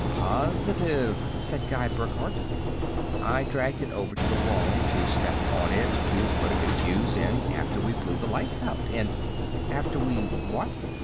"Positive!" said Guy Burckhardt. "I dragged it over to the wall to step on it to put a new fuse in after we blew the lights out and " "After we what?"